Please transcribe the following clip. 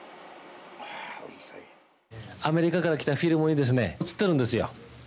アメリカから来たフィルムにですね写ってるんですよ。